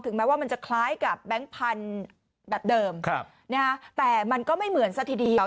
แม้ว่ามันจะคล้ายกับแบงค์พันธุ์แบบเดิมแต่มันก็ไม่เหมือนซะทีเดียว